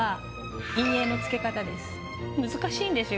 難しいんですよ